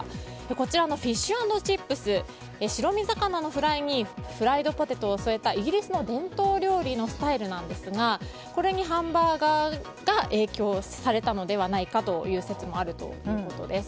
こちらのフィッシュ＆チップス白身魚のフライにフライドポテトを添えたイギリスの伝統料理のスタイルなんですがこれにハンバーガーが影響されたのではないかという説もあるということです。